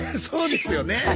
そうですよね。